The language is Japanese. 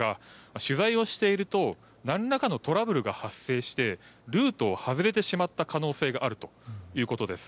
取材をしていると何らかのトラブルが発生してルートを外れてしまった可能性があるということです。